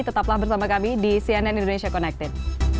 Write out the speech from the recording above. tetaplah bersama kami di cnn indonesia connected